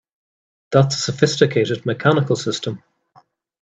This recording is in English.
That's a sophisticated mechanical system!